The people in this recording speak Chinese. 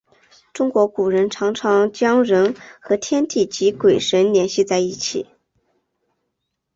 中国古人常常将人和天地及鬼神联系在一起。